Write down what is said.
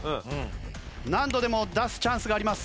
何度でも出すチャンスがあります。